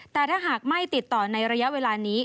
แต่ถ้าหากไม่ติดต่อในระยะเวลานี้